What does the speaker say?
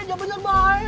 nyah jangan bener boy